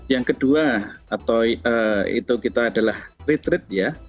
yang kedua atau itu kita adalah retreat ya